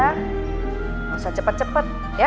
nggak usah cepet cepet ya